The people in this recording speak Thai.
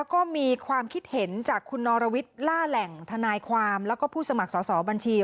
ก็มีความคิดเห็นจากคุณนรวิทย์ล่าแหล่งทนายความแล้วก็ผู้สมัครสอบบัญชี